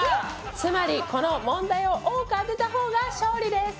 つまりこの問題を多く当てた方が勝利です！